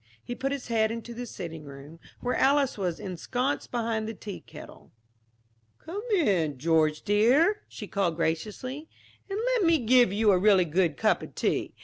He put his head into the sitting room, where Alys was ensconced behind the tea kettle. "Come in, George dear," she called graciously, "and let me give you a really good cup of tea.